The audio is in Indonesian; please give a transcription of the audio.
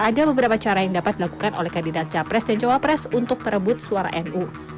ada beberapa cara yang dapat dilakukan oleh kandidat capres dan cawapres untuk perebut suara nu